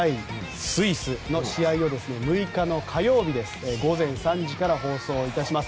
スイスの試合を６日の火曜日、午前３時から放送いたします。